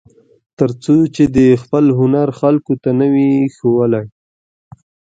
تر څو چې دې خپل هنر خلکو ته نه وي ښوولی.